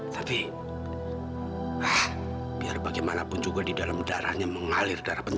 dia kan tahu emg kau apa gi semuanya bukan berlike ini